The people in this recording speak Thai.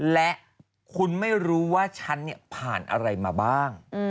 และคุณไม่รู้ว่าฉันผ่านอะไรมาบ้าง